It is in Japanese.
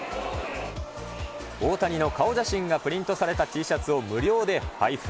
大谷の顔写真がプリントされたＴシャツを無料で配布。